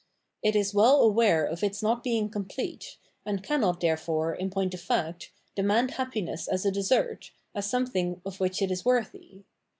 It is well aware of its not being complete, and caimot, therefore, in point of fact, demand happiness as a desert, as something of Dissemblance 633 wiiicli it is worthy.